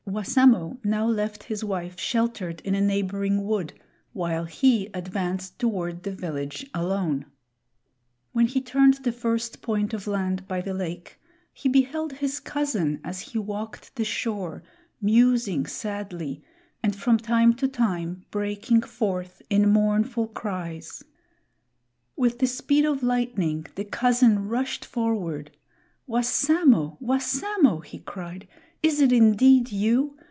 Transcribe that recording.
Wassamo now left his wife sheltered in a neighboring wood, while he advanced toward the village alone. When he turned the first point of land by the lake he beheld his cousin as he walked the shore, musing sadly, and from time to time breaking forth in mournful cries. With the speed of lightning the cousin rushed forward. "Wassamo! Wassamo!" he cried, "is it indeed you?